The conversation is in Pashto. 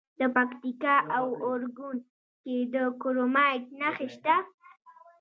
د پکتیکا په اورګون کې د کرومایټ نښې شته.